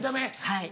はい。